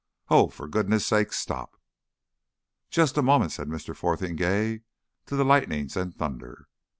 "Oh, for goodness' sake, stop! "Just a moment," said Mr. Fotheringay to the lightnings and thunder.